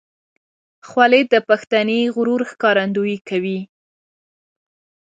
خولۍ د پښتني غرور ښکارندویي کوي.